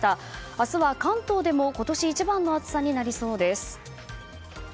明日は関東でも今年一番の暑さになりそうです。